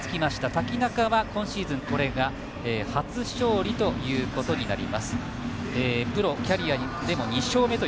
瀧中は今シーズン、これが初勝利ということになります。